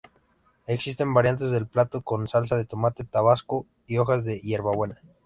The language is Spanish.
Existen variantes del plato con salsa de tomate, Tabasco y hojas de hierbabuena.